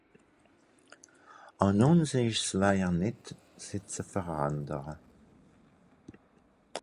Àn ùns ìsch ’s wajer nìtt se ze verändere.